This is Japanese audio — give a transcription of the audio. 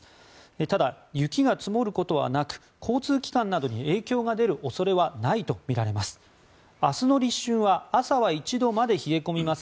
ただ、雪が積もることはなく交通機関などに影響が出る恐れはないとみられます。